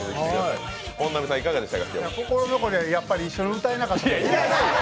心残りは一緒に歌えなかったことですね。